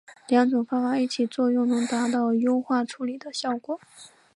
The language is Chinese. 两种方法一起作用能达到优化处理的效果。